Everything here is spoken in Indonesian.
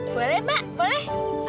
boleh mbak boleh